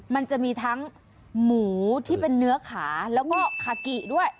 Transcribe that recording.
มันจะมีทั้งหมูที่เป็นเนื้อขาแล้วก็คากิด้วย